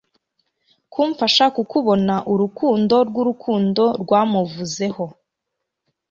kumfasha kukubona Urukundo rwurukundo rwamuvuzeho